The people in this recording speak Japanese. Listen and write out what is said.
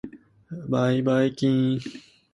ばいばいきーーーん。